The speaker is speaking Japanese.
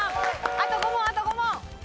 あと５問あと５問。